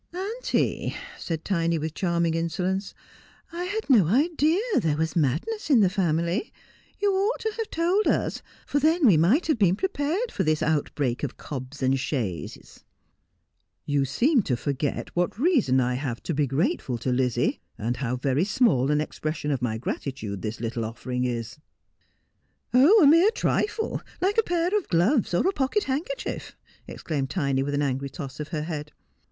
' Auntie,' said Tiny, with charming insolence, ' I had no idea there was madness in the family. You ought to have told us ; for then we might have been prepared for this outbreak of cobs and chaises.' You seem to forget what reason I have to be grateful to Lizzie, and how very small an expression of my gratitude this little offering is.' ' Oh, a mere trifle, like a pair of gloves or a pocket handker chief,' exclaimed Tiny, with an angry toss of her head.